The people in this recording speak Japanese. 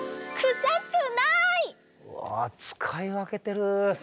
うわ使い分けてる。